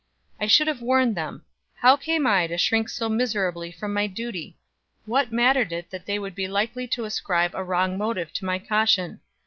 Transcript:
I should have warned them how came I to shrink so miserably from my duty? What mattered it that they would be likely to ascribe a wrong motive to my caution?